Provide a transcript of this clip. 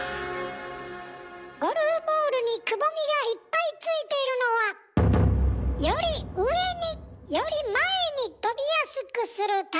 ゴルフボールにくぼみがいっぱいついているのはより上により前に飛びやすくするため。